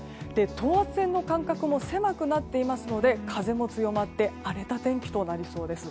等圧線の間隔も狭くなっていますので風も強まって荒れた天気となりそうです。